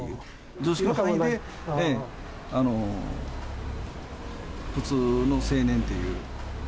常識の範囲で、普通の青年っていう。